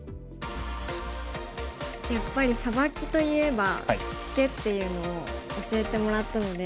やっぱりサバキといえばツケっていうのを教えてもらったので。